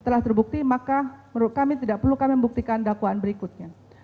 setelah terbukti maka menurut kami tidak perlu kami membuktikan dakwaan berikutnya